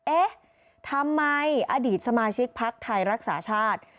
เอ๊ะทำไมอดีตสมาชิกพักไทยรักษาชาติ